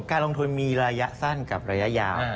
การลงทุนมีระยะสั้นกับระยะยาว